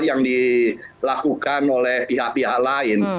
yang dilakukan oleh pihak pihak lain